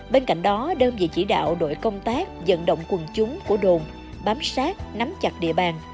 bên cạnh đó đơn vị chỉ đạo đội công tác dẫn động quần chúng của đồn bám sát nắm chặt địa bàn